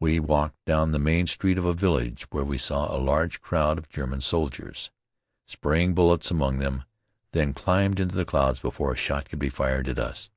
We walked down the main street of a village where we saw a large crowd of German soldiers, spraying bullets among them, then climbed into the clouds before a shot could be fired at us.